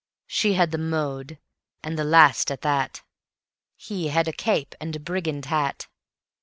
She had the mode, and the last at that; He had a cape and a brigand hat.